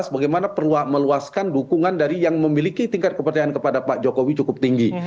bagaimana meluaskan dukungan dari yang memiliki tingkat kepercayaan kepada pak jokowi cukup tinggi